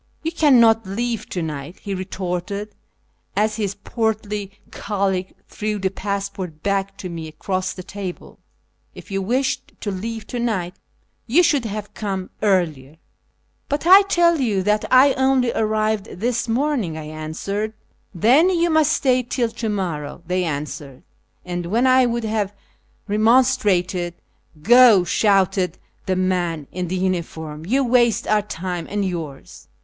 " You cannot leave to night," he retorted as his portly colleague threw the passport back to me across the table ;" if you wished to leave to night you should have come earlier." " But 1 tell you that I only arrived this morning," I answered. " Then you must stay till to morrow," they answered ; and when I would have remonstrated, " Go," shouted the man in the uniform, " you waste our time and yours."